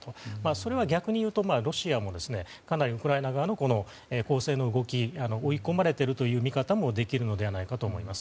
それは逆に言うとロシアも、かなりウクライナ側の攻勢の動きに追い込まれているという見方もできるのではないかと思います。